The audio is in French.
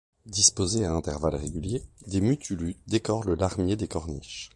Disposés à intervalle régulier des mutulus décorent le larmier des corniches.